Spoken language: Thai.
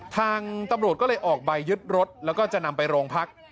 ทางตำรวจก็เลยออกใบยึดรถแล้วก็จะนำไปโรงพัก